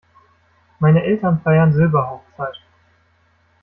Meine Eltern feiern Silberhochzeit.